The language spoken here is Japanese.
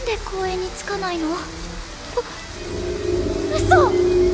うそ！？